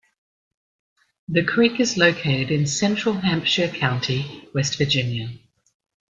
The creek is located in central Hampshire County, West Virginia.